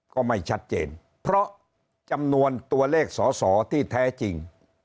ก็ไม่ชัดเจนเพราะจำนวนตัวเลขสอสอที่แท้จริง